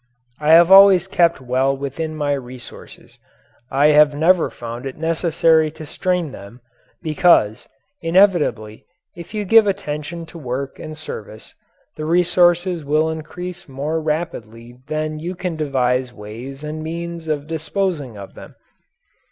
I have always kept well within my resources. I have never found it necessary to strain them, because, inevitably, if you give attention to work and service, the resources will increase more rapidly than you can devise ways and means of disposing of them.